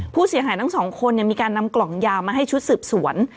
ผู้เสียหายทั้งสองคนมีการนำกล่องยามาให้ชุดสืบสวน